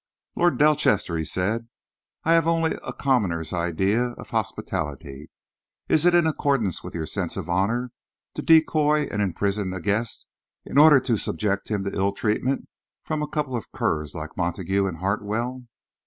"Lord Delchester," he said, "I have only a commoner's ideas of hospitality. Is it in accordance with your sense of honour to decoy and imprison a guest in order to subject him to ill treatment from a couple of curs like Montague and Hartwell?"